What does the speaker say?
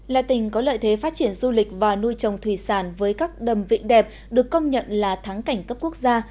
là tỉnh có lợi thế phát triển du lịch và nuôi trồng thủy sản với các đầm vịnh đẹp được công nhận là tháng cảnh cấp quốc gia